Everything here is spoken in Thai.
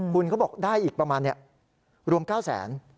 คุณเขาบอกได้อีกประมาณรวม๙แสน